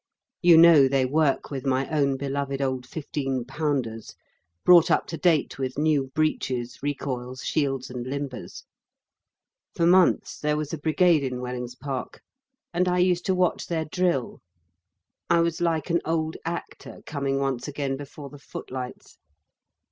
You know they work with my own beloved old fifteen pounders, brought up to date with new breeches, recoils, shields, and limbers. For months there was a brigade in Wellings Park, and I used to watch their drill. I was like an old actor coming once again before the footlights....